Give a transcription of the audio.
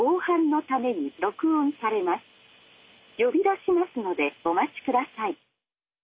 「呼び出しますのでお待ちください」。